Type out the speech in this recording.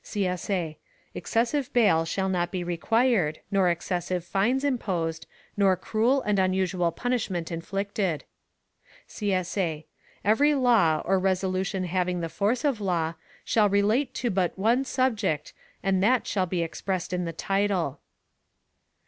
[CSA] Excessive bail shall not be required, nor excessive fines imposed, nor cruel and unusual punishment inflicted. [CSA] _Every law, or resolution having the force of law, shall relate to but one subject, and that shall be expressed in the title.